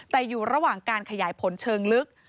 แต่อยู่ระหว่างการขยายผลเชิงลึก